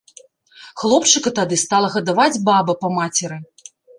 Хлопчыка тады стала гадаваць баба па мацеры.